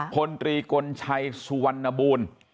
พลตรีกลชัยสุวรรณบูล